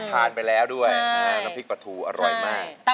ทานไปแล้วด้วยน้ำพริกปลาทูอร่อยมาก